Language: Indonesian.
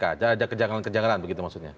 ada kejangan kejangan begitu maksudnya